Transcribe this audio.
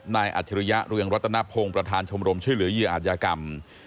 อัจฉริยะเรืองรัตนพงศ์ประธานชมรมช่วยเหลือเหยื่ออาจยากรรม